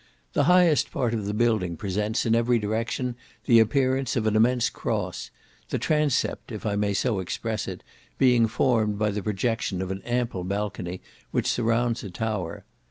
The highest part of the building presents, in every direction, the appearance of an immense cross; the transept, if I may so express it, being formed by the projection of an ample balcony, which surrounds a tower.